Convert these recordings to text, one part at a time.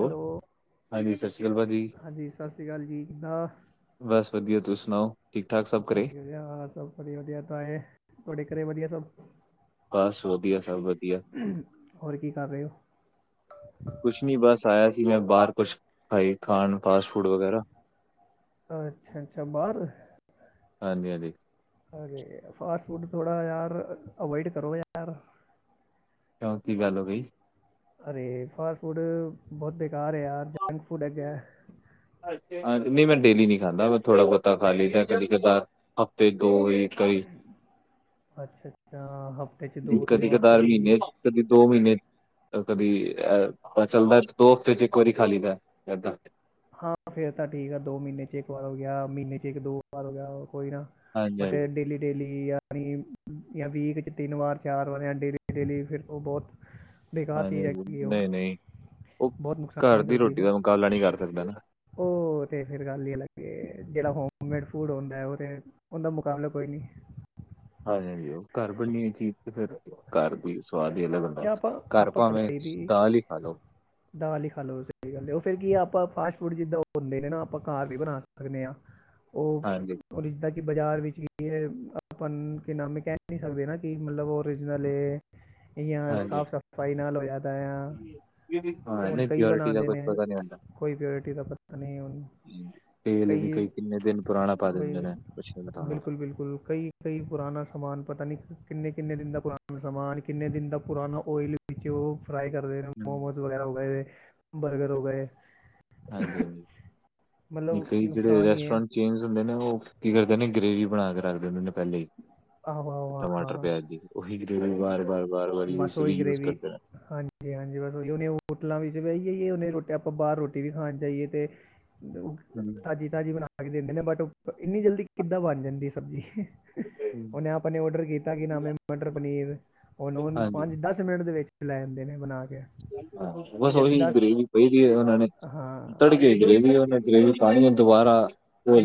Hello, ਹਾਂਜੀ ਸਤਿ ਸ਼੍ਰੀ ਅਕਾਲ ਭਾਜੀ ਹਾਂਜੀ ਸਤਿ ਸ਼੍ਰੀ ਅਕਾਲ ਜੀ ਕਿੱਦਾਂ? ਬਸ ਵਧੀੱਆ ਤੁਸੀਂ ਸੁਣਾਓ, ਠੀਕ ਠਾਕ ਸਭ ਘਰੇ? ਜੀ ਹਾ ਸਭ ਵਧੀਆ -ਵਧੀਆ ਤਾਂ ਏ, ਤਾਡੇ ਘਰੇ ਵੱਧੀਆ ਸਭ? ਬਸ ਵਧੀਆ- ਸਭ ਵਧੀਆ। ਹੋਰ ਕੀ ਕਰ ਰਹੇ ਕੁਛ ਨੀ ਬਸ ਆਇਆ ਸੀ ਮੈਂ ਬਾਰ, ਕੁਛ ਆਹੀ ਖਾਣ ਫਾਸਟ ਫੂਡ ਵਗੈਰਾ। ਅੱਛਾ- ਅੱਛਾ ਬਾਰ। ਹਾਂਜੀ -ਹਾਂਜੀ। ਹਾਂ ਫਾਸਟ ਫੂਡ ਥੋੜ੍ਹਾ ਯਾਰ, ਅਵਾਇਡ ਕਰੋ ਯਾਰ ਕਿਓ ਕੀ ਗੱਲ ਹੋ ਗਈ? ਅਰੇ, ਫਾਸਟ ਫੂਡ ਬੋਤ ਬੇਕਾਰ ਏ ਯਾਰ, ਜੰਕ ਫੂਡ ਹੈਗਾ। ਹਾਂ, ਨਈ ਮੈਂ ਡੇਲੀ ਨੀ ਖਾਂਦਾ, ਮੈਂ ਥੋੜਾ ਬੋਤਾ ਖਾ ਲੈਂਦਾ, ਕਦੀ ਕਦਾਰ ਤੇ ਦੋ ਵਈ ਕਾਈ ਅੱਛਾ, ਅੱਛਾ। ਹ ਕਦੀ- ਕਦਾਰ ਮਹੀਨੇ ਚ, ਕਦੀ ਦੋ ਮਹੀਨੇ ਕਦੀ, ਅ, ਚਲਦਾ ਦੋ ਹਫ਼ਤੇ ਚ, ਇੱਕ ਵਾਰੀ ਖਾ ਲੀ ਦਾ ਏਦਾਂ ਹਾਂ, ਫੇਰ ਤਾਂ ਠੀਕ ਆ, ਦੋ ਮਹੀਨੇ ਚ ਇੱਕ ਵਾਰ ਹੋ ਗਿਆ, ਮਹੀਨੇ ਚ ਇੱਕ-ਦੋ ਵਾਰ ਹੋ ਗਿਆ ਕੋਈ ਨਾ ਹਾਂਜੀ ਬ ਹਾਂਜੀ ਡੇਲੀ ਦੀ ਡੇਲੀ ਆ। ਣੀ ਜਾਂ ਵੀਕ 'ਚ ਤਿੰਨ ਵਾਰ, ਚਾਰ ਵਾਰ ਜਾਂ ਡੇਲੀ- ਡੇਲੀ ਫਿਰ ਓ ਬਹੁਤ ਬੇਕਾਰ ਹਾਂਜੀ ਚੀਜ਼ ਹੈਗੀ ਕਿ ਹਾਂਜੀ ਓ, ਨਹੀਂ ਨਹੀਂ ਬੋਤ ਨੁਕਸਾਨ ਕਰਦੀ ਫਿਰ [unintelligible] ਕਰਨੇ ਆ ਉਹ ਤੇ ਫੇਰ ਗੱਲ ਹੀ ਅੱਲਗ ਐ, ਜਿਹੜਾ ਹੋਮਮੇਡ ਫੂਡ ਹੁੰਦਾ ਉਹ ਤੇ ਉਹਦਾ ਮੁਕਾਬਲਾ ਕੋਈ ਨੀ ਹਾਂਜੀ, ਹਾਂਜੀ। ਉਹ ਘਰ ਬਣਨੀ ਚੀਜ਼ ਫੇਰ ਘਰ ਦੀ ਸਵਾਦ ਈ ਅਲੱਗ ਇਹ ਅੱਲਗ, ਆਪਾਂ ਘਰ ਆਪਾਂ ਭਾਵੇਂ ਕਰੀ ਤੁਸੀ ਦੀ ਦਾਲ ਈ ਖਾ ਲੋਓ। ਦਾਲ ਹੀ ਖਾ ਲ ਲੋ। ਸਹੀ ਗੱਲ ਏ, ਉਹ ਫਿਰ ਕੀਐ ਆਪਾਂ ਫਾਸਟ ਫੂਡ ਜਿੱਦਾਂ ਉਹ ਹੁੰਦੇ ਨੇ ਨਾ ਆਪਾਂ ਘਰ ਵੀ ਬਣਾ ਸਕਦੇ ਹਾਂ। ਉਹ ਹਾਂਜੀ ਔਰ ਜਿੱਦਾਂ ਕਿ ਬਾਜ਼ਾਰ ਵਿੱਚ ਕੀ ਏ, ਆਪਾਂ ਕਿਨਾ ਨੂੰ ਕਹਿ ਨਹੀਂ ਸਕਦੇ ਨਾ ਕਿ ਮਤਲਬ ਓਰੀਜਨਲ ਏ ਯਾ, ਹਾਂਜੀ। ਸਾਫ਼-ਸਫ਼ਾਈ ਨਾਲ ਹੋਇਆ ਪਿਆ‌। ਹਾਂ ਹੁਣ ਨਹੀਂ ਕਈ ਪਿਓਰਿਟੀ ਦਾ ਬਣਾਦੇ ਕੁਛ ਨੇ, ਪਤਾ ਨੀ ਹੁੰਦਾ। ਕੋਈ ਪਿਓਰਿਟੀ ਦਾ ਪਤਾ ਨਹੀਂ ਉਹਨੂੰ। ਹਮ, ਤੇਲ ਵੀ ਕਈ, ਕਿੰਨੇ ਦਿਨ ਪੁਰਾਣਾ ਪਾ ਦਿੰਦੇ ਬਾਈ ਨੇ ਕੁਛ ਨੀ ਪਤਾ ਹੁੰਦਾ। ਬਿਲਕੁਲ-ਬਿਲਕੁਲ ਕਈ ਕਈ ਪੁਰਾਣਾ ਸਮਾਨ ਪਤਾ ਨੀ, ਕਿੰਨੇ-ਕਿੰਨੇ ਦਿਨ ਦਾ ਪੁਰਾਣਾ ਸਮਾਨ, ਕਿੰਨੇ ਦਿਨ ਦਾ ਪੁਰਾਣਾ ਓਇਲ ਵਿੱਚੇ ਉਹ ਫਰਾਈ ਕਰਦੇ ਨੇ ਮੋਮੋਸ ਵਗੈਰਾ ਹੋ ਗਏ, ਬਰਗਰ ਹੋ ਹਾਂਜੀ ਗਏ। ਹਾਂਜੀ ਨਹੀਂ ਮਤਲਬ ਕਈ ਜਿਹੜੇ ਨੁਕਸਾਨ ਹੀ ਹੈ ਰੈਸਟੋਰੈਂਟ ਚੇਂਜ ਹੁੰਦੇ ਨੇ, ਉਹ ਕੀ ਕਰਦੇ ਨੇ ਗ੍ਰੇਵੀ ਬਣਾ ਕੇ ਰੱਖਦੇ ਹੁੰਦੇ ਨੇ ਪਹਿਲੇ ਈ ਆਹੋ ਆਹੋ ਹਾਂ ਟਮਾਟਰ, ਪਿਆਜ਼ ਦੀ। ਉਹੀ ਗੇ੍ਵੀ ਵਾਰ-ਵਾਰ-ਵਾਰ-ਵਾਰੀ ਇਸ ਲਈ ਯੂਜ ਕਰਦੇ ਨੇ ਜੀ, ਹਾਂਜੀ। ਬਸ ਹੁਣ ਹੋਟਲਾਂ ਵਿੱਚ ਵੀ ਆਹੀ ਹੀਨੇ ਅਗਰ ਆਪਾਂ ਬਾਹਰ ਰੋਟੀ ਵੀ ਖਾਣ ਜਾਈਏ ਤੇ ਹਮ, ਤਾਜ਼ੀ-ਤਾਜ਼ੀ ਬਣਾ ਕੇ ਦਿੰਦੇ ਨੇ। ਬਟ ਇੰਨੀ ਜਲਦੀ ਕਿੱਦਾਂ ਬਣ ਜਾਂਦੀ ਸਬਜ਼ੀ ਹਮ। ਹੁਨੇ ਆਪ ਨੇ ਔਡਰ ਕੀਤਾ ਕਿ ਨਾਮ ਏ ਮਟਰ-ਪਨੀਰ ਉਹਨੂੰ ਹਾਂਜੀ ਪੰਜ-ਦਸ ਮਿੰਟ ਦੇ ਵਿੱਚ ਲੈ ਆਦੇ ਨੇ ਬਣਾ ਕੇ। ਹਾਂ। ਬਸ, ਜਦਕਿ ਉਹੀ ਗਰੇਵੀ ਪਈਦੀ ਐ ਉਹਨਾਂ ਨੇ, ਹਾਂ ਤੜਕੇ ਜਦ ਗਰੇਵੀ ਉਹ ਗਰੇਵੀ ਪਾਉਣੀ ਦੁਬਾਰਾ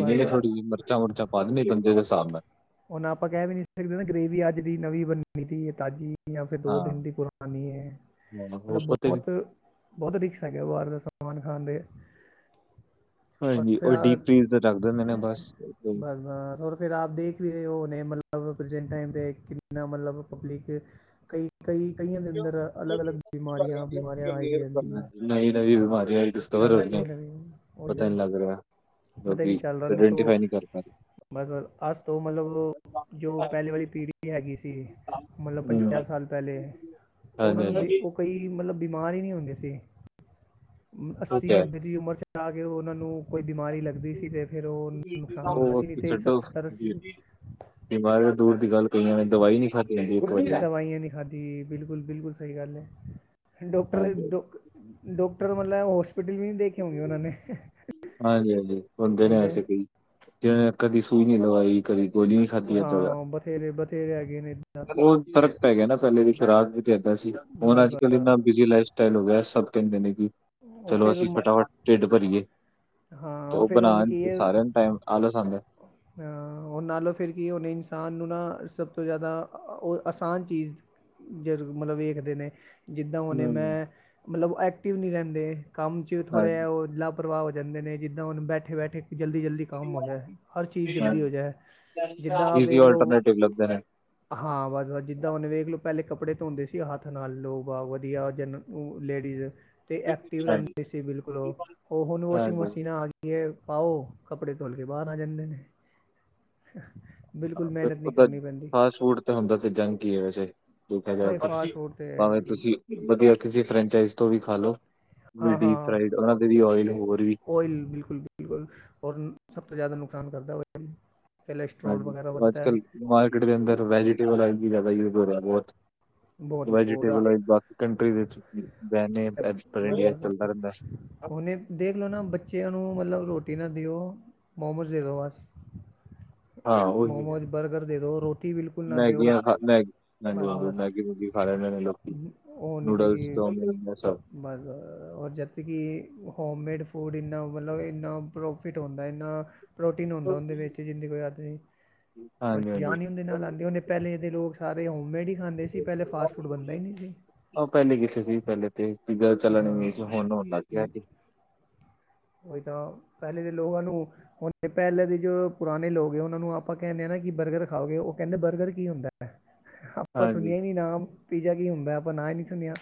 ਬਸ ਥੋੜੀ ਜਹੀ ਮਿਰਚਾਂ-ਮੁਰਚਾਂ ਪਾ ਦੇਣੀ ਬੰਦੇ ਦੇ ਹਿਸਾਬ ਨਾਲ ਉ ਹੁਣ ਆਪਾਂ ਕਹਿ ਵੀ ਨੀ ਸਕਦੇ ਨਾ, ਗ੍ਰੇਵੀ ਅੱਜ ਦੀ ਨਵੀਂ ਬਣਨੀ ਏ ਤਾਜ਼ੀ ਜਾਂ ਫਿਰ ਦੋ ਦਿਨ ਹਾਂ ਦੀ ਪੁਰਾਨੀ ਐ। ਉਹ ਮਤਲਬ ਪਤੇ ਬੋਤ ਬਹੁਤ ਰਿਕਸ ਹੈਗੇ। ਉਹ ਬਾਹਰ ਦਾ ਪਕਵਾਨ ਖਾਨ ਦੇ ਔਰ ਹਾਂਜੀ। ਫਿਰ ਉਹ ਆ ਡੀਪ ਫੀਜ਼ਰ ਰੱਖ ਦੇ ਹੁੰਦੇ ਨੇ ਬਸ ਓਹੀ। ਹਾ ਫੇਰ ਫਿਰ ਆਪ ਦੇਖ ਵੀ ਰਹੇ ਹੋ ਨੇ ਮਤਲਬ ਪ੍ਰੈਜੈਂਟ ਟਾਇਮ ਤੇ ਕਿੰਨਾ ਮਤਲਬ ਪਬਲਿਕ ਕਈ ਕਈ-ਕਈਆਂ ਦੇ ਅੰਦਰ ਅਲੱਗ-ਅਲੱਗ ਬਿਮਾਰੀਆਂ-ਬਿਮਾਰੀਆਂ ਆਈ ਜਾਂਦੀ ਐ। ਨਵੀਂ ਨਵੀਂ ਬਿਮਾਰੀਆਂ ਡਿਸਕਵਰ ਹੋ ਨਵੀਂ, ਰਹੀਆਂ ਨਵੀਂ ਪਤਾ ਆਦੇ ਨਹੀਂ ਲੱਗ ਰਿਹਾ ਪਤਾ ਲੋਕੀ ਨੀ ਚੱਲ ਰਹਾ ਨੀ ਤੇ ਆਇਡੈਂਟੀਫਾਈ ਨਹੀਂ ਕਰ ਪਾ ਬਸ-ਬਸ ਆਜ ਤੋ ਮਤਲਬ ਕੇ ਜੋ ਪਹਿਲੇ ਵਾਲੀ ਪੀੜ੍ਹੀ ਹੈਗੀ ਸੀ, ਮਤਲਬ ਰਹੇ ਹਮ, ਪੰਜਾਹ ਸਾਲ ਪਹਿਲੇ, ਉਹ ਹਾਂਜੀ ਉਹਨਾਂ ਨੂੰ ਬ ਹਾਂਜੀ ਉਹ ਕਈ ਮਤਲਬ ਬਿਮਾਰ ਹੀ ਨਹੀਂ ਹੁੰਦੇ ਸੀ। ਉਹ ਅੱਸੀ, ਕਿਆ ਨੱਬੇ ਦੀ ਉਮਰ ਚ ਆ ਕੇ ਉਹ ਉਹਨਾਂ ਨੂੰ ਕੋਈ ਬਿਮਾਰੀ ਲੱਗ ਦੀ ਸੀ ਤੇ ਫਿਰ ਉਹ ਹੈ ਨੁਕਸਾਨ ਹੁੰਦਾ ਉਹ ਸੀ ਤੇ ਸੱਤਰ-ਅਸੀ ਤੇ ਬਿਮਾਰੀ ਦੂਰ ਦੀ ਗੱਲ ਕਹੀਆਂ ਨੇੈਂ ਦਵਾਈ ਨੀ ਖਾਧੀ ਹੁੰਦੀ ਇੱਕ ਵਾਰੀ ਦਵਾਈਆਂ ਨਹੀਂ ਖਾਧੀ, ਬਿਲਕੁਲ-ਬਿਲਕੁਲ ਸਹੀ ਗੱਲ ਹੈ। ਡਾਕਟਰ ਹਾਂਜੀ ਡੋ ਡਾਕਟਰ, ਮਤਲਬ ਹੋਸਪਿਟਲ ਵੀ ਨਹੀਂ ਦੇਖੇ ਹੋਗੇ ਉਹਨਾਂ ਨੇ ਹਾਂਜੀ, ਹਾਂਜੀ। ਬੰਦੇ ਨੇ ਉਹੀ ਤਾਂ ਐਸੇ ਹੈ। ਕਈ ਜਿਨੇ ਕਦੀ ਸੂਈ ਨਹੀਂ ਲਵਾਈ। ਕਦੀ ਗੋਲੀ ਨਹੀਂ ਖਾਧੀ ਏਦਾਂ ਦਾ ਹਾਂ, ਬਥੇਰੇ-ਬਥੇਰੇ ਹੈਗੇ ਨੇ ਉਹ ਫ਼ਰਕ ਪੈ ਗਿਆ ਨਾ ਪਹਿਲੇ ਦੀ ਸਰਾਬ ਵੀ ਤੇ ਇਦਾਂ ਸੀ ਹੁਣ ਬਸ ਅੱਜ-ਕੱਲ ਬਸ ਇੰਨਾ ਬਿਜ਼ੀ ਲਾਈਫ [unintelligible] ਸਭ ਤੋ ਪਹਿਲੇ ਕਿ ਉਹ ਚਲੋ ਫਿਰ ਅਸੀਂ ਮ- ਫਟਾਫਟ ਢਿੱਡ ਭਰੀਏ। ਹਾਂ ਤੇ ਉਹ ਫਿਰ ਬਣਾ ਉਹਨ ਕੀ ਤੇ ਹੈ ਸਾਰਿਆਂ ਨੂੰ ਟਾਈਮ ਆਲਸ ਆਦਾ ਐ। ਅ ਓ ਹੁਣ ਨਾਲੋਂ ਫਿਰ ਕੀ ਉਹਨੇ ਇਨਸਾਨ ਨੂੰ ਨਾ ਸਭ ਤੋਂ ਜ਼ਿਆਦਾ ਉਹ ਆਸਾਨ ਚੀਜ਼ ਜਦ ਮਤਲਬ ਵੇਖਦੇ ਨੇ ਜਿੱਦਾਂ ਹੁਣੇ ਹੂੰ ਮੈਂ ਮਤਲਬ ਓ ਐਕਟਿਵ ਨਈ ਰੈਂਦੇ ਕੰਮ 'ਚ ਥੋੜ੍ਹੇ ਇ ਹਾਂਜੀ ਓ ਲਵ ਪ੍ਰਵਾ ਹੋ ਜਾਂਦੇ ਨੇ ਜਿੱਦਾਂ ਹੁਣ ਬੈਠੇ-ਬੈਠੇ ਜਲਦੀ-ਜਲਦੀ ਕੰਮ ਹੋ ਜੇ। ਹਰ ਚੀਜ਼ ਜਲਦੀ ਹੋ ਹਾਂਜੀ ਜਾਏ ਜਿੱਦਾਂ ਈਜ਼ੀ ਵੇਖ ਲੋ ਆਲਟਰਨੇਟਿਵ ਲੱਭਦੇ ਨੇ ਹਾਂ ਬਸ-ਬਸ ਜਿੱਦਾਂ ਉਹਨੇ ਵੇਖ ਲੋ ਪੈਲੇ ਕੱਪੜੇ ਧੋਂਦੇ ਸੀ ਹੱਥ ਨਾਲ ਲੋਗ ਆ ਵਧੀਆ ਜਨ ਓ ਲੇਡੀਜ਼ ਤੇ ਐਕਟਿਵ ਹਾਂਜੀ ਰੈਂਦੇ ਸੀ ਬਿਲਕੁਲ ਓ-ਓ ਹੁਣ ਹਾਂਜੀ ਵਾਸ਼ਿੰਗ ਮਸ਼ੀਨ ਆਗੀ ਆਂ ਪਾਓ ਕੱਪੜੇ ਧੁਲ ਕੇ ਬਾਰ ਆ ਜਾਂਦੇ। ਆ ਬਿਲਕੁਲ ਮਿਹਨਤ ਵੇਖੋ ਨਹੀਂ ਕਰਨੀ ਪੈਂਦੀ ਫਾਸਟ ਫੂਡ ਤੇ ਹੁੰਦਾ ਤੇ ਜੰਕ ਹੀ ਹੈ ਵੈਸੇ ਠੀਕ ਹੈ ਔਰ ਜ ਇਹ ਫਾਸਟ ਫੂਡ ਤੇ ਭਾਵੇਂ ਤੁਸੀ ਵਧੀਆ ਕਿਸੀ ਫਰੈਂਚਾਈਜ਼ ਤੋਂ ਵੀ ਖਾ ਲੋ ਵੀ ਹਾਂ ਡੀਪ ਹਾਂ ਫਰਾਈਡ ਉਹਨਾਂ ਦੇ ਵੀ ਓਇਲ ਹੋਰ ਵੀ ਓਇਲ ਬਿਲਕੁਲ-ਬਿਲਕੁਲ ਔਰ ਸਭ ਤੋਂ ਜਾਦਾ ਨੁਕਸਾਨ ਕਰਦਾ ਉਇਲ ਹਾਂਜੀ ਅੱਜ ਕਲ ਮਾਰਕੀਟ ਦੇ ਅੰਦਰ ਵੈਜੀਟੇਬਲ ਵੀ ਜਾਦਾ ਯੂਜ ਹੋ ਰਿਆ ਬੋਤ ਬਹੁਤ ਬਹੁਤਾ ਵੈਜੀਟੇਬਲ ਐ ਇਕ ਬ ਕੰਟਰੀ ਵਿੱਚ ਵੇਨੇ ਪ੍ਰੈਸ ਪ੍ਰਿੰਟਿੰਗ ਚੱਲਦਾ ਰੈਂਦਾ। ਹੁਨੇ ਦੇਖ ਲੋ ਨਾ ਬੱਚਿਆਂ ਨੂੰ ਮਤਲਬ ਰੋਟੀ ਨਾ ਦਿਓ ਮੋਮੋਸ ਦੇ ਦਿਉ ਬਸ ਹਾਂ ਉਹੀ ਮੋਮੋਜ਼ ਬਰਗਰ ਦੇ ਦੋ ਰੋਟੀ ਬਿਲਕੁਲ ਨਾ ਦਿਓ ਮੈਗੀਆਂ ਖਾ ਮੈਗੀ ਹਾਂਜੀ ਹਾਂਜੀ ਬਸ-ਬਸ ਮੈਗੀ ਮੂਗੀ ਖਾ ਲੈਂਦੇ ਨੇ ਲੋਕੀ ਹੋਰ ਨਈ ਤੇ ਕੀ ਨੂਡਲਸ ਏ। ਚੌਮਿਨ ਸਭ ਬਸ ਓ ਜਦ ਕਿ ਹੋਮ ਮੇਡ ਫੂਡ ਇੰਨਾ ਮਤਲਬ ਇੰਨਾ ਪ੍ਰੋਫਿਟ ਹੁੰਦਾ ਇੰਨਾ ਪ੍ਰੋਟੀਨ ਹੁੰਦਾ ਉਹਦੇ ਵਿੱਚ ਜਿੰਦੇ ਕੋਈ ਹੱਦ ਨੀ। ਹੂੰ ਓ ਜਾਨ ਨਈ ਹੁੰਦੇ ਨਾਲ ਓ ਪੈਲੇ ਦੇ ਲੋਕ ਸਾਰੇ ਹੋਮੇਡ ਹੀ ਖਾਂਦੇ ਸੀ ਪੈਲੇ ਫਾਸਟ ਫੂਡ ਬਣਦਾ ਈ ਨਈ ਸੀ। ਓ ਪੈਲੇ ਕਿੱਥੇ ਸੀ ਪੈਲੇ ਤੇ [unintelligible] ਚੱਲਣ ਨੇ ਗੇ ਹਾਂ ਸੀ ਹੁਣ ਹੋਣ ਲੱਗ ਗਿਆ ਸੀ। ਉਹੀ ਤਾਂ ਪਹਿਲੇ ਦੇ ਲੋਗਾਂ ਨੂੰ ਹੁਣ ਪੈਲੇਾਂ ਦੇ ਜੋ ਪੁਰਾਣੇ ਲੋਕ ਉਹਨਾਂ ਨੂੰ ਆਪਾਂ ਕੈਂਦੇ ਹਾਂ ਨਾ ਕਿ ਬਰਗਰ ਖਾਓਗੇ ਓ ਕੈਂਦੇ ਬਰਗਰ ਕੀ ਹੁੰਦਾ। ਆਪਾਂ ਹਾਂਜੀ ਸੁਣਿਆ ਈ ਨੀ ਨਾਮ ਪੀਜਾ ਕੀ ਹੁੰਦਾ ਆਪਾਂ ਨਾ ਈ ਨਈ ਸੁਣਿਆ।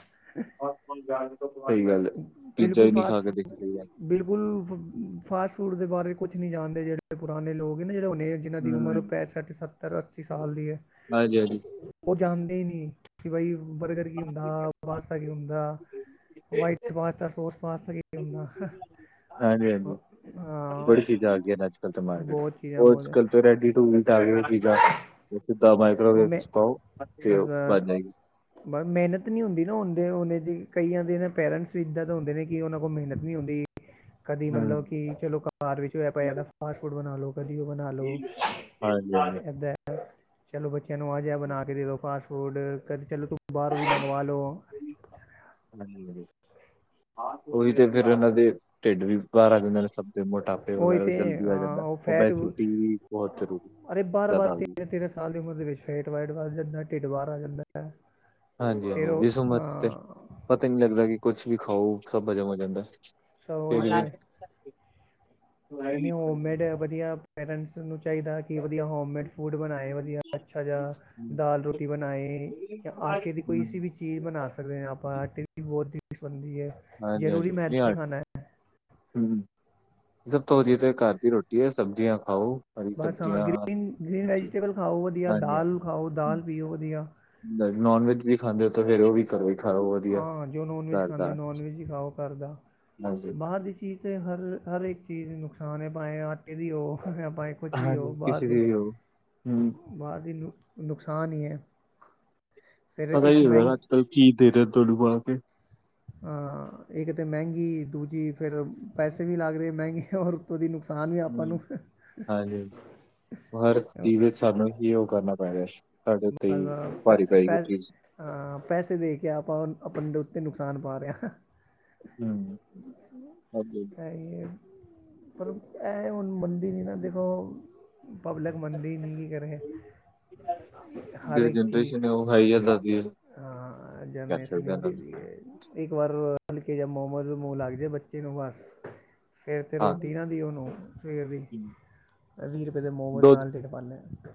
ਸਈ ਗੱਲ ਏ ਪੀਜ਼ਾ ਬਿਲਕੁਲ ਵੀ ਨੀ ਫਾਸਟ ਖਾ ਕੇ ਫੂਡ, ਦੇਖਿਆ। ਬਿਲਕੁਲ ਫਾਸਟ ਫੂਡ ਦੇ ਬਾਰੇ ਕੁਛ ਨਈ ਜਾਣਦੇ ਜੇੜੇ ਪੁਰਾਣੇ ਲੋਗ ਏ ਨਾ ਜੇੜੇ ਹੁਨੇ ਜਿਹਨ੍ਹਾਂ ਦੀ ਹੂੰ ਉਮਰ ਹਾਂਜੀ ਪੈਂਸਠ ਸੱਤਰ ਅੱਸੀ ਸਾਲ ਦੀ ਹੈ ਹਾਂਜੀ ਓ ਜਾਣਦੇ ਈ ਨਈ। ਕਿ ਬਈ ਬਰਗਰ ਕੀ ਹੁੰਦਾ ਪਾਸਤਾ ਕੀ ਹੁੰਦਾ। ਵਾਇਟ ਪਾਸਤਾ ਸੋਸ ਪਾਸਤਾ ਕੀ-ਕੀ ਹੁੰਦਾ। ਹਾਂਜੀ-ਹਾਂਜੀ ਬੜੀ ਚੀਜ਼ਾਂ ਆ ਗਈਆਂ ਨੇ ਅੱਜ ਕੱਲ ਤੇ ਮਾਰਕੀਟ ਬਹੁਤ 'ਚ ਚੀਜ਼ਾਂ ਓ ਅੱਜ ਬਹੁਤ ਕਲ ਤੋਂ ਰੈਡੀ ਟੂ ਵੀਟ ਆ ਗੇ ਚੀਜ਼ਾਂ ਸਿੱਧਾ ਮਾਈਕ੍ਰੋਵੇਵ ਮੈਂ 'ਚ ਪਾਓ ਫਿਰ ਓ ਬਣ ਜਾਏਗੀ। ਬਸ ਮਿਹਨਤ ਨੀ ਹੁੰਦੀ ਨਾ ਉਦੇ ਨੇ ਦੇ ਕਈਆਂ ਦੇ ਨਾ ਪੇਰੈਂਟਸ ਵੀ ਇੱਦਾਂ ਤਾਂ ਹੁੰਦੇ ਨੇ ਕਿ ਉਨਾਂ ਕੋਲ ਮਿਹਨਤ ਨੀ ਹੁੰਦੀ ਕਦੀ ਮਤਲਬ ਕਿ ਚਲੋ ਬਾਰ ਵਿੱਚ ਹੋਇ ਆਪ ਇਦ ਫਾਸਟ ਫੂਡ ਬਣਾ ਲ ਲੋ ਕਦੀ ਓ ਬਣਾ ਲੋ ਹਾਂਜੀ, ਹਾਂਜੀ, ਏਦਾਂ ਚਲੋ ਬੱਚਿਆਂ ਨੂੰ ਅ ਜਿਹਾ ਬਣਾ ਕੇ ਦੇ ਦੋ ਫਾਸਟ ਫੂਡ ਕਦੇ ਚਲੋ ਤੂੰ ਬਾਰੋਂ ਵੀ ਮੰਗਵਾ ਲੋ। [inaudible] ਹਾਂ ਉਹੀ ਤੇ ਫਿਰ ਉਹਨਾਂ ਦੇ ਢਿੱਡ ਵੀ ਬਾਰ ਆ ਜਾਂਦੇ ਨੇ ਸਭ ਤੇ ਮੋਟਾਪੇ ਉਹੀ ਵਗੈਰਾ ਤੇ ਜਲਦੀ ਆ ਹਾਂ, ਜਾਂਦਾ ਉਹ ਫੈਟ ਮਓਬੈਸਟੀ ਵੀ ਬੋਤ ਜ਼ਰੂਰੀ ਅਰੇ ਜ਼ਿਆਦਾ ਬਾਰਾਂ-ਬਾਰਾਂ ਆ ਗਈ। ਤੇਰਾਂ-ਤੇਰਾਂ ਸਾਲ ਦੀ ਉਮਰ ਦੇ ਵਿੱਚ ਵੇਟ ਵਾਟ ਵਧ ਜਾਂਦਾ ਢਿੱਡ ਬਾਰ ਆ ਜਾਂਦਾ ਹੈ। ਹਾਂਜੀ-ਹਾਂਜੀ ਜਿਸ ਉਮਰ 'ਚ ਪਤਾ ਹੀ ਨੀ ਲੱਗਦਾ ਕਿ ਕੁਛ ਵੀ ਖਾਓ ਸਭ ਹਜਮ ਹੋ ਜਾਂਦਾ ਸਭ ਉਹੀ ਫੇਰ ਸਭ ਠੀਕ ਹੁਨੇ ਹੋਮੇਡ ਵਧੀਆ ਪੇਰੈਂਟਸ ਨੂੰ ਚਾਈਦਾ। ਕਿ ਵਧੀਆ ਹੋਮੇਡ ਫੂਡ ਬਣਾਏ ਵਧੀਆ ਅੱਛਾ ਜਿਹਾ ਦਾਲ ਰੋਟੀ ਬਣਾਈ, ਜਾਂ ਆਟੇ ਦੀ ਕੋਈ ਸੀ ਵੀ ਚੀਜ ਬਣਾ ਸਕਦੇ ਆ ਆਪਾਂ, ਆਟੇ ਦੀ ਵੀ ਬਹੁਤ ਈਸੀ ਬਣਦੀ ਐ, ਹਾਂਜੀ, ਜ਼ਰੂਰੀ ਹਾਂਜੀ। ਨਹੀਂ ਮੈਦਾ ਈ ਹਾਂ, ਖਾਣਾ ਐ। ਹੂੰ, ਸਭ ਤੋਂ ਵਧੀਆ 'ਤੇ ਘਰ ਦੀ ਰੋਟੀ ਏ ਸਬਜ਼ੀਆਂ। ਖਾਓ ਹਰੀ ਬਸ ਹਾਂ ਸਬਜ਼ੀਆਂ ਗ੍ਰੀ ਨ, ਗ੍ਰੀਨ ਵੈਜੀਟੇਬਲ ਖਾਓ,। ਵਧੀਆ ਹਾਂਜੀ ਦਾਲ ਖਾਓ, ਦਾਲ ਪੀਓ ਵਧੀਆ। ਨੋਨ ਵੈਜ ਵੀ ਖਾਂਦੇ ਓ 'ਤੇ ਫੇਰ ਉਹ ਵੀ ਘਰੋ ਈ। ਹਾਂ, ਜੋ ਨੋਨ ਵੈਜ ਖਾਂਦਾ ਨੋਨ ਵੈਜ ਵੀ ਖਾਓ ਘਰਦਾ, ਹਾਂਜੀ ਬਾਹਰ ਦੀ ਚੀਜ਼ ਦੇ ਹਰ- ਹਰ ਇੱਕ ਚੀਜ਼ ਨੁਕਸਾਨ ਏ, ਭਾਏ ਆਟੇ ਦੀ ਹੋ ਭਾਏ ਹਾਂਜੀ ਕਿਸੇ ਦੀ ਵੀ ਹੋਵੇ, ਹੂੰ। ਬਾਹਰ ਦੀ ਨੂ ਨੁਕਸਾਨ ਈ ਐ। ਪਤਾ ਈ ਹੈਗਾ ਨਾ ਅੱਜ-ਕੱਲ੍ਹ ਕੀ ਦੇ ਰੇ ਤੋਨੂੰ ਪਾ ਕੇ। ਅ ਇੱਕ 'ਤੇ ਮਹਿੰਗੀ, ਦੂਜੀ ਫੇਰ ਪੈਸੇ ਵੀ ਲੱਗ ਰਹੇ ਮਹਿੰਗੇ, ਔਰ ' ਓਹਦੀ ਨੁਕਸਾਨ ਵੀ ਆਪਾਂ ਹੂੰ ਨੂੰ‌। ਹਾਂਜੀ, ਹਰ ਚੀਜ਼ ਵਿੱਚ ਸਾਨੂੰ ਕੀ ਉਹ ਕਰਨਾ ਪੈ ਰਿਹਾ ਸੀ। ਸਾਡੇ ਉੱਤੇ ਈ ਪੈ ਭਾਰੀ ਪੈਗੀ ਉਹ ਪੈ ਚੀਜ਼। ਹਾਂ, ਪੈਸੇ ਦੇ ਕੇ ਆਪਾਂ ਆਪਣੇ ਦੇ ਉੱਤੇ ਨੁਕਸਾਨ ਪਾ ਰੇ ਆਂ। [inaudible] ਹਮ ਪਰ ਐ ਹੁਣ ਮੰਨਦੀ ਨੀ ਨਾ ਦੇਖੋ ਪਬਲਿਕ ਮੰਨਦੀ ਨੀ ਕੀ ਕਰੇ। ਹਰ ਜਿਹੜੀ ਇੱਕ ਚੀਜ਼, ਜਨਰੇਸ਼ਨ ਹੈ ਉਹ ਹੈ ਜਾਂ ਦਾਦੀ ਅਹ ਕਰ ਜਨਏਸ਼ਨੀ ਸਕਦਾ ਇਹਨਾਂ ਨੂੰ ਜਰੀਏ ਇੱਕ ਵਾਰ ਰਲ ਕੇ ਜਦ ਮੋਮੋ ਦੇ ਮੂੰਹ ਲੱਗ ਜਾਏ ਬੱਚੇ ਨੂੰ ਬਸ। ਫੇਰ 'ਤੇ ਹਾਂਜੀ ਰੋਟੀ ਨਾ ਦਿਓ ਉਹਨੂੰ ਸਵੇਰ ਦੀ, ਵੀਹ ਰੁਪਏ ਦੇ ਮੋਮਜ਼ ਨਾਲ ਟਿਕ ਪਾਨੇ ਆ ਤੇ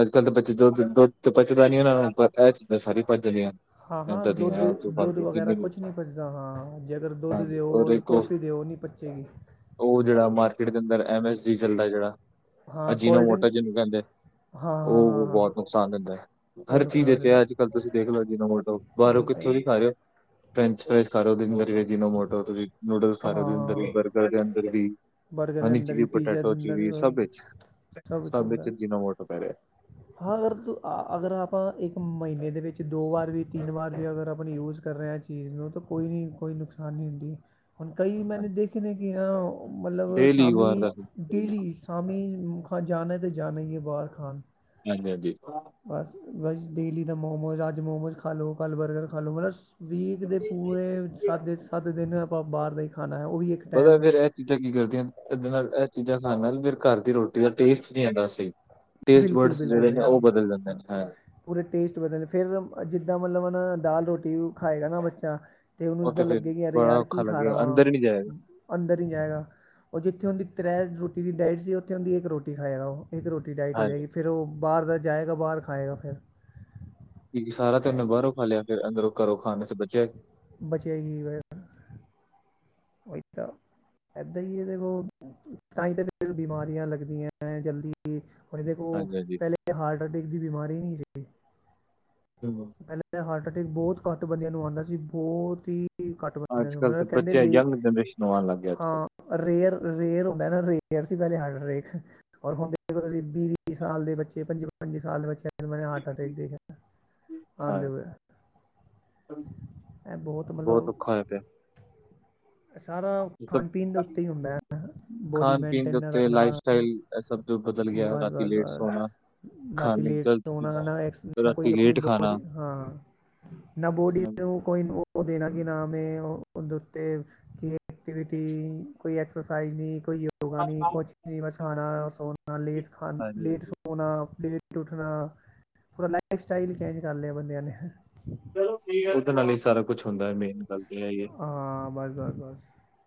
ਅੱਜ-ਕੱਲ ਦੇ ਬੱਚੇ ਦੁਧ- ਦੁੱਧ ਤੇ ਪਚਦਾ ਨੀ ਉਹਨਾਂ ਨੂੰ, ਪਰ ਇਹ ਚੀਜ਼ਾਂ ਸਾਰੀ ਪਚ ਜਾਂਦੀਆਂ। ਹਾਂ-ਹਾਂ ਏਦਾਂ ਦੀਆਂ ਆਲਤੂ ਦੁੱਧ-ਦੁੱਧ ਫਾਲਤੂ ਵਗੈਰਾ ਕਿੰਨੀ ਵੀ ਕੁਛ ਨੀ ਪਚਦਾ, ਹਾਂ ਜੇ ਅਗਰ ਦੁੱਧ ਹਾਂਜੀ ਔਰ ਦਿਓ, ਇੱਕ ਉਹ ਕੌਫੀ ਦਿਓ ਨੀ ਪ ਚੇ ਗੀ। ਉਹ ਜਿਹੜਾ ਮਾਰਕੀਟ ਦੇ ਅੰਦਰ ਐਮ ਐਸ ਜੀ ਜਲਦਾ ਜਿਹੜਾ, ਹਾਂ ਅਜੀਨਾ ਕੋਲਡ ਮੋਟੋ ਡਰਿੰਕ ਜਿਹਨੂੰ ਕਹਿੰਦੇ ਹਾਂ ਹਾਂ ਹਾਂ ਉਹ ਹਾਂ ਬਹੁਤ ਨੁਕਸਾਨ ਦਿੰਦਾ ਐ। ਉਹ ਹਰ ਚੀਜ਼ ਨੁਕਸਾਨ ਵਿਚ ਐ ਦਿੰਦਾ ਅੱਜ-ਕੱਲ ਤੁਸੀਂ ਦੇਖ ਲੋ ਜੀਨੋ ਮੋਟੋ, ਬਾਹਰੋਂ ਉਹੀ ਤਾਂ ਕਿੱਥੇ ਵੀ ਖਾ ਰੇ ਓ ਫਰੈਂਚ ਫਰੈਸ ਖਾ ਰੇ ਓ ਦਿਨ ਭਰ ਜੀਨੋ ਮੋਟੋ ਤੁਸੀਂ ਨੂਡਲਸ ਖਾ ਰੇ ਉਦੇ ਅੰਦਰ ਵੀ ਹਾਂ ਬਰਗਰ ਦੇ ਅੰਦਰ ਵੀ ਬਰਗਰ ਦੇ ਹਨੀ ਅੰਦਰ ਚੀਲੀ ਵੀ ਪੀਜ਼ਾ ਦੇ ਪਟਾਟੋ 'ਚ ਵੀ ਅੰਦਰ ਸਭ ਵਿਚ, ਸਭ ਵਿਚ ਜੀਨੋ ਮੋਟੋ ਪੈ‌ ਰਿਹਾ। [inaudible] ਹਾਂ, ਅਗਰ ਤੁ ਅਗਰ ਆਪਾਂ ਇੱਕ ਮਹੀਨੇ ਦੇ ਵਿੱਚ ਦੋ ਵਾਰ ਵੀ, ਤਿੰਨ ਵਾਰ ਵੀ ਅਗਰ ਆਪਣੀ ਯੂਜ਼ ਕਰ ਰੇ ਆ ਚੀਜ਼ ਨੂੰ ਤਾਂ ਕੋਈ ਵੀ ਕੋਈ ਨੁਕਸਾਨ ਨੀ ਹੁੰਦੀ। ਹੁਣ, ਕਈ ਮੈਂਨੇ ਹਾਂਜੀ ਦੇਖੇ ਨੇ ਕਿ ਅ ਉ ਮਤਲਬ ਡੇਲੀ ਵਾਰ ਸ਼ਾਮੀ ਦਾ ਹਾਂਜੀ ਡੇਲੀ ਸ਼ਾਮੀ ਖਾ ਜਾਣਾ ਏ 'ਤੇ ਜਾਣਾ ਈ ਏ ਬਾਹਰ ਖਾਣ। ਹਾਂਜੀ-ਹਾਂਜੀ। ਬਸ-ਬਸ ਡੇਲੀ ਦਾ ਮੋਮੋਜ ਅੱਜ ਮੋਮੋਜ ਖਾ ਲੋ, ਕੱਲ ਬਰਗਰ ਖਾ ਲੋ ਬਸ। ਵੀਕ ਦੇ ਪੂਰੇ ਸੱਤ ਦੇ ਸੱਤ ਦਿਨ ਆਪਾਂ ਬਾਹਰ ਦਾ ਈ ਖਾਣਾ ਐ, ਉਹ ਵੀ ਇੱਕ ਪਤਾ ਟੇਮ। ਫੇਰ ਇਹ ਚੀਜ਼ਾਂ ਕੀ ਕਰਦੀਆਂ ਅਨ ਇਹਦੇ ਨਾਲ ਇਹ ਚੀਜ਼ਾਂ ਖਾਣ ਨਾਲ ਫੇਰ ਘਰ ਦੀ ਰੋਟੀ ਦਾ ਟੇਸਟ ਨੀ ਆਂਦਾ ਸਹੀ। ਟੇਸਟ ਬਿਲਕੁਲ ਵਰਡਸ ਬਿਲਕੁਲ ਜਿਹੜੇ ਨੇ ਉਹ ਸਹੀ ਬਦਲ ਜਾਂਦੇ ਨੇ ਹੈ। ਪੂਰੇ ਟੇਸਟ ਵਧਣ ਫੇਰ ਜਿੱਦਾਂ ਮਲਬਣ ਦਾਲ ਰੋਟੀ ਯੂ ਖਾਏਗਾ ਨਾ ਬੱਚਾ। 'ਤੇ ਉਹਨੂੰ ਉਹ ਇੱਦਾਂ ਫੇਰ ਲੱਗੇਗੀ ਅਰੇ ਬੜਾ ਯਾਰ ਔਖਾ ਕੀ ਖਾ ਲੱਗੇਗਾ ਅੰਦਰ ਹੀ ਨਹੀਂ ਜਾਏਗਾ। ਰਵਾਂ। ਅੰਦਰ ਈ ਜਾਏਗਾ ਉਹ ਜਿੱਥੇ ਉਹਦੀ ਤਰੈ ਰੋਟੀ ਦੀ ਡਾਇਟ ਸੀ ਉੱਥੇ ਓਹੁੰਦੀ ਇੱਕ ਰੋਟੀ ਖਾਏਗਾ ਉਹ। ਇੱਕ ਰੋਟੀ ਡਾਈਟ ਹੋ ਹਾਂਜੀ ਜਾਏਗੀ, ਫਿਰ ਉਹ ਬਾਹਰ ਦਾ ਜਾਏਗਾ ਬਾਹਰ ਖਾਏਗਾ ਫੇਰ। ਕਿਓਂਕਿ ਸਾਰਾ ਤੇ ਓਨੇ ਬਾਰੋਂ ਖਾ ਲੇਆ ਫੇਰ ਅੰਦਰੋਂ ਘਰੋਂ ਖਾਨ ਨੂੰ ਤੇ ਬਚੇਆ ਬਚੇਆ ਈ ਹੋਏਆ ਓਈ ਤਾ ਏਦਾਂ ਈ ਏਦੇ ਕੋਲ, ਤਾਂਈ ਤਾਂ ਫੇਰ ਬਿਮਾਰੀਆਂ ਲੱਗਦੀਆਂ ਐਂ ਜਲਦੀ। ਹੁਨ ਦੇਖੋ ਹਾਂਜੀ-ਹਾਂਜੀ। ਪੈਲੇ ਹਾਰਟ ਅਟੈਕ ਦੀ ਬਿਮਾਰੀ ਨਈ ਸੀ। ਤੇਨੂੰ- ਪੈਲੇ ਤਾਂ ਹਾਰਟ ਅਟੈਕ ਬੋਤ ਘੱਟ ਬੰਦੇਆਂ ਨੂੰ ਆਂਦਾ ਸੀ ਬੋਤ ਈ ਅੱਜ-ਕੱਲ ਤਾਂ ਬੱਚੇਆਂ ਯੰਗ ਜਨਰੇਸ਼ਨ ਨੂੰ ਆਨ ਲਾਗੀ। ਹਾਂ ਰੇਅਰ ਰੇਅਰ ਹੁੰਦਾ ਨਾ ਰੇਅਰ ਸੀ, ਪੈਲੇ ਹਾਰਟਟੇਕ। ਔਰ ਹੁਨ ਦੇਖੋ ਤੁਸੀਂ ਵੀਅ-ਵੀਅ ਸਾਲ ਦੇ ਬੱਚੇ ਪੰਜੀ-ਪੰਜੀ ਸਾਲ ਦੇ ਬੱਚੇ ਜਿਨੂੰ ਮੈਂਨੇ ਹਾਰਟ ਅਟੈਕ ਦੇਖੇਆ, ਆਂਦੇ ਹਾਂਜੀ ਹੋਏ ਐ। ਐ ਬੋਤ ਮਤਲਬ ਖੋਏਆ ਪੇਆ। ਐ ਸਾਰਾ ਖਾਨ ਪੀਨ ਦੇ ਉੱਤੇ ਈ ਹੁੰਦਾ। [unintelligible] ਖਾਨ ਪੀਨ ਦੇ ਮੇਨਟੇਨ ਉੱਤੇ ਰੱਖਣਾ ਲਾਈਫ ਸਟਾਈਲ ਸਬ ਜੋ ਬਦਲ ਗੇਆ ਬਸ ਰਾਤੀ ਬਸ ਲੇਟ ਬਸ ਸੋਨਾ। ਰਾਤੀ ਲੇਟ ਸੋਨਾ ਨਾ ਏਸ ਲਈ ਕੋਈ ਰਾਤੀ ਆਪਨੀ ਲੇਟ ਖਾਣਾ ਬੋਡੀ, ਹਾਂ। ਨਾ ਬੋਡੀ ਨੂੰ ਕੋਈ ਓ ਦੇਨਾ ਕੀ ਨਾਮ ਏ ਓਦੇ ਉੱਤੇ ਕੋਈ ਐਕਟੀਵਿਟੀ, ਕੋਈ ਐਕਸਰਸਾਈਜ਼ ਨੀ ਕੋਈ ਯੋਗਾ ਨੀ ਕੋਚਿੰਗ ਨੀ ਬਸ ਖਾਨਾ ਸੋਨਾ ਲੇਟ ਖਾ, ਲੇਟ ਹਾਂਜੀ-ਹਾਂਜੀ। ਸੋਨਾ ਲੇ ਟ ਉੱਠਨਾ ਪੂਰਾ ਲਾਈਫ ਸਟਾਈਲ ਚੇਂਜ ਕਰ ਲੇਆ ਬੰਦੇਆਂ ਨੇ। ਓਦੇ ਨਾਲ ਈ ਸਾਰਾ ਕੁਛ ਹੁੰਦਾ ਐਮੇ। ਹਾਂ, ਬਸ-ਬਸ-ਬਸ।